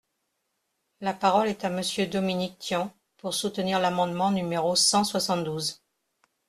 La parole est à Monsieur Dominique Tian, pour soutenir l’amendement numéro cent soixante-douze.